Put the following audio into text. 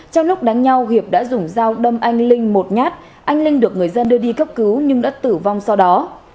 trong lúc đánh nhau hiệp đã dùng dao đâm anh linh một nhát anh linh được người dân đưa đi cấp cứu nhưng đã tử vong sau đó